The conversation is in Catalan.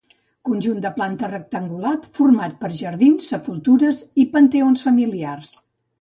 Conjunt de planta rectangular format per jardins, sepultures i panteons familiars.